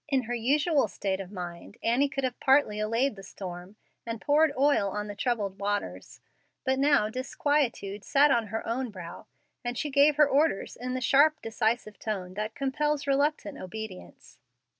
In her usual state of mind Annie could have partly allayed the storm, and poured oil on the troubled waters, but now disquietude sat on her own brow, and she gave her orders in the sharp, decisive tone that compels reluctant obedience.